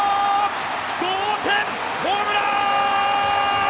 同点ホームラン！